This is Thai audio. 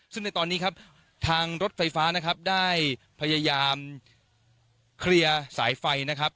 ซึ่งในตอนนี้ครับทางรถไฟฟ้านะครับได้พยายามเคลียร์สายไฟนะครับ